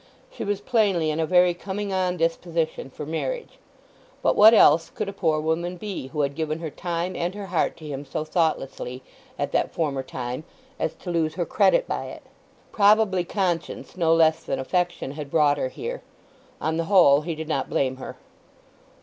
She was plainly in a very coming on disposition for marriage. But what else could a poor woman be who had given her time and her heart to him so thoughtlessly, at that former time, as to lose her credit by it? Probably conscience no less than affection had brought her here. On the whole he did not blame her.